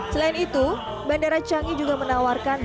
selain itu bandara canggih juga menawarkan